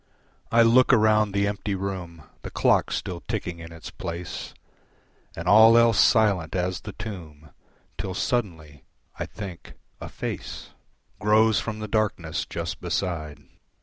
I look around the empty room, The clock still ticking in its place, And all else silent as the tomb, Till suddenly, I think, a face Grows from the darkness just beside.